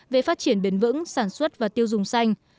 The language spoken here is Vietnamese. về phát triển bền vững sản xuất và tiêu dùng xanh